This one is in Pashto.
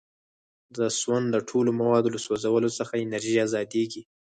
د سون د ټولو موادو له سوځولو څخه انرژي ازادیږي.